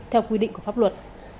theo quy định của pháp luật